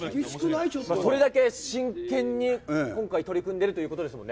それだけ真剣に今回、取り組んでいるということですよね。